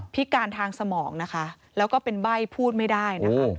พิการทางสมองนะคะแล้วก็เป็นใบ้พูดไม่ได้นะคะ